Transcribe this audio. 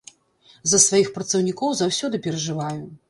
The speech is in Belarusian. За сваіх працаўнікоў заўсёды перажываю.